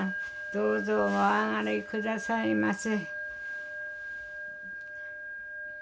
どうぞおあがりくださいませ。